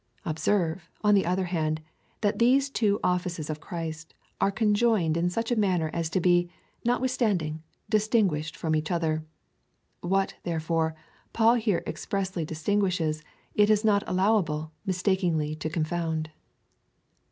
Observe, on the other hand, that these two offices of Christ are conjoined in such a manner as to be, notwith standing, distinguished from each other. "What, therefore, Paul here expressly distinguishes, it is not allowable mis takingly to confound.